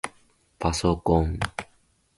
パソコン